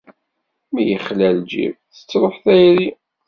Mi yexla lǧib, tettruḥ tayri.